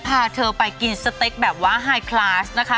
พาเธอไปกินสเต็กแบบว่าไฮคลาสนะคะ